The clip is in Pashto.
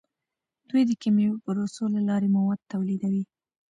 دوی د کیمیاوي پروسو له لارې مواد تولیدوي.